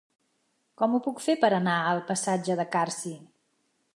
Com ho puc fer per anar al passatge de Carsi?